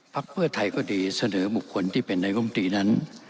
เพื่อไทยก็ดีเสนอบุคคลที่เป็นนายกรมตรีนั้น